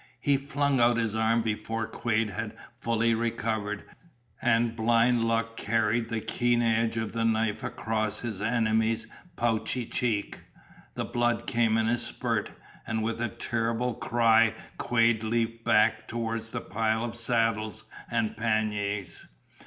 He flung out his arm before Quade had fully recovered, and blind luck carried the keen edge of the knife across his enemy's pouchy cheek. The blood came in a spurt, and with a terrible cry Quade leaped back toward the pile of saddles and panniers.